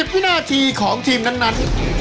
๖๐วินาทีของทีมนั้นนั้น